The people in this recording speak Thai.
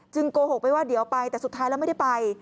โกหกไปว่าเดี๋ยวไปแต่สุดท้ายแล้วไม่ได้ไป